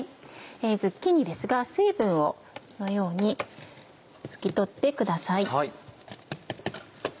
ズッキーニですが水分をこのように拭き取ってください。